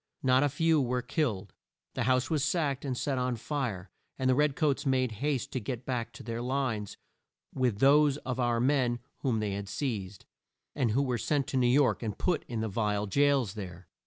Not a few were killed. The house was sacked and set on fire, and the red coats made haste to get back to their lines with those of our men whom they had seized, and who were sent to New York and put in the vile jails there.